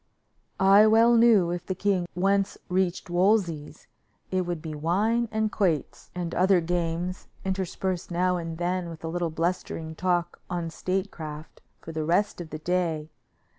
I well knew if the king once reached Wolsey's, it would be wine and quoits and other games, interspersed now and then with a little blustering talk on statecraft, for the rest of the day.